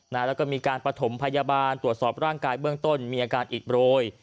แล้วก็มีการประถมพยาบาลตรวจสอบร่างกายเบื้องต้นมีอาการอิดโรย